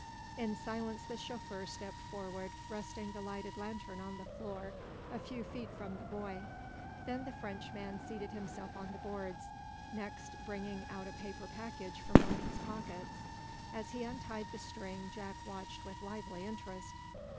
In silence the chauffeur stepped forward resting the lighted lantern on the floor a few, feet from the boy. Then the Frenchman seated himself on the boards, next bringing out a paper package from one of his pockets. As he untied the string Jack watched with lively interest.